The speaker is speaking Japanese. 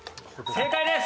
正解です！